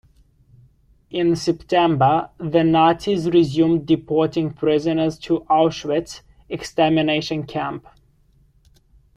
In September, the Nazis resumed deporting prisoners to Auschwitz extermination camp.